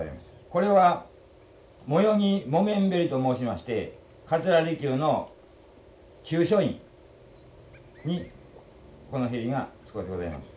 これは萠黄木綿縁と申しまして桂離宮の中書院にこの縁が使うてございます。